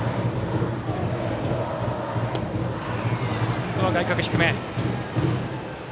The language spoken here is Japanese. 今度は外角低めへ。